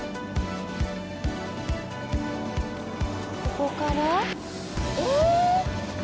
ここからえ！